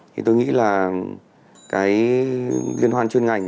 thì tôi nghĩ là cái liên hoan chuyên ngành